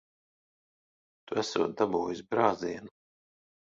Tu esot dabūjis brāzienu.